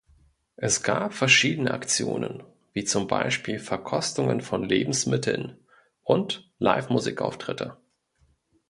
Es gab verschiedene Aktionen, wie zum Beispiel Verkostungen von Lebensmitteln und Live-Musik-Auftritte.